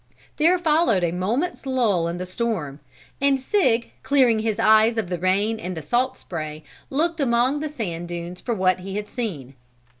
There followed a moment's lull in the storm and Sig, clearing his eyes of the rain and the salt spray, looked among the sand dunes for what he had seen.